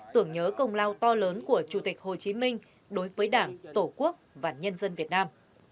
tưởng nhớ công lao to lớn của chủ tịch hồ chí minh đối với đảng tổ quốc và nhân dân việt nam